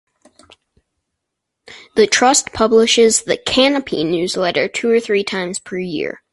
The Trust publishes the "Canopy" newsletter two or three times per year.